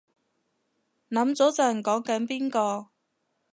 諗咗陣講緊邊個